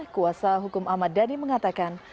kuasa hukum ahmad dhani mengatakan